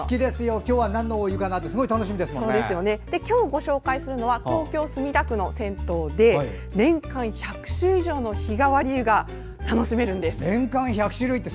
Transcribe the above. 今日はなんのお湯かなって今日ご紹介するのは東京・墨田区の銭湯で年間１００種類以上の日替わり湯が楽しめるんです。